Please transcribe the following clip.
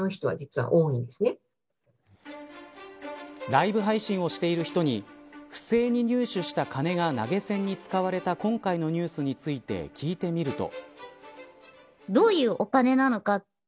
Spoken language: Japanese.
ライブ配信をしている人に不正に入手した金が投げ銭に使われた今回のニュースについて聞いてみると。